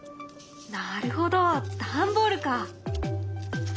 なるほど段ボールか。